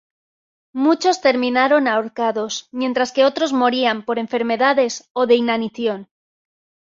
Muchos terminaron ahorcados, mientras que otros morían por enfermedades o de inanición.